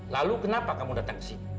lalu kenapa kamu datang ke sini